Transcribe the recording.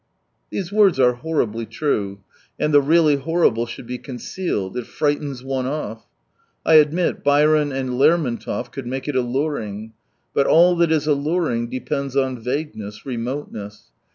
These words are horribly true — and the really horrible should be concealed, it frightens one off. I admit, Byron and Lermontov could make it alluring. But all that is alluring depends on vagueness, remoteness.